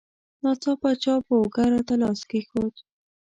ناڅاپه چا په اوږه راته لاس کېښود.